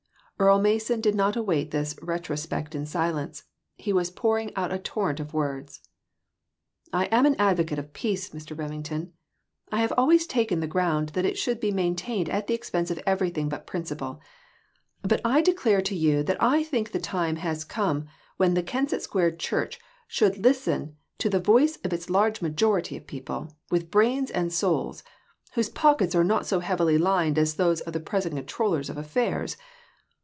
Earle Mason did not await this retrospect in silence; he was pouring out a torrent of words. " I am an advocate of peace, Mr. Remington ; I have always taken the ground that it should be maintained at the expense of everything but prin ciple ; but I declare to you that I think the time has come when the Kensett Square church should listen to the voice of its large majority of people, with brains and souls, whose pockets are not so heavily lined as those of the present controllers of affairs.